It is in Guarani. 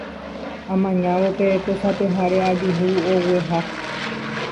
Amañávo pe tesapeháre ajuhu ogueha.